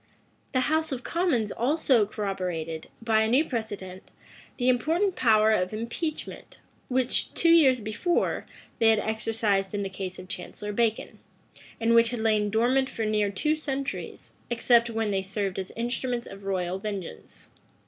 The house of commons also corroborated, by a new precedent, the important power of impeachment, which, two years before, they had exercised in the case of Chancellor Bacon, and which had lain dormant for near two centuries, except when they served as instruments of royal vengeance.